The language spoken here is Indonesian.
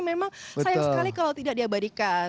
memang sayang sekali kalau tidak diabadikan